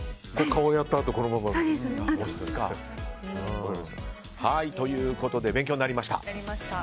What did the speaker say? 顔をやったあと、そのままか。ということで勉強になりました。